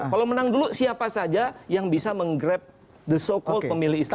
kalau menang dulu siapa saja yang bisa menggrab the so called pemilih islam